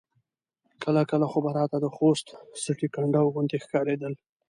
کله کله خو به راته د خوست سټې کنډاو غوندې ښکارېدل.